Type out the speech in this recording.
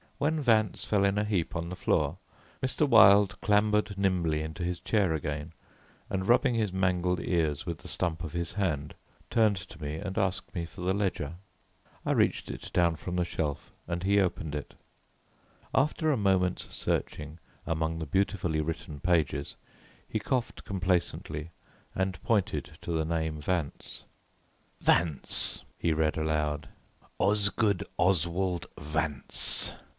When Vance fell in a heap on the floor, Mr. Wilde clambered nimbly into his chair again, and rubbing his mangled ears with the stump of his hand, turned to me and asked me for the ledger. I reached it down from the shelf and he opened it. After a moment's searching among the beautifully written pages, he coughed complacently, and pointed to the name Vance. "Vance," he read aloud, "Osgood Oswald Vance."